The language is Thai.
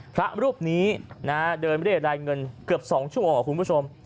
พระรูปนี้เดินเรียกรายเงินเกือบ๒ชั่วโมงคุณผู้ชม